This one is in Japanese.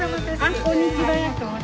こんにちは。